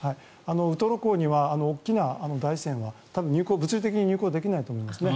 ウトロ港には大きな台船は多分物理的に入港できないと思いますね。